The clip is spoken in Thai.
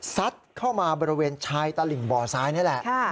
ซัดเข้ามาบริเวณชายตลิ่งบ่อซ้ายนี่แหละ